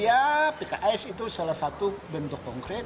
ya pks itu salah satu bentuk konkret